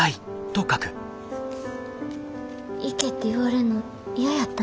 行けって言われんの嫌やったんや。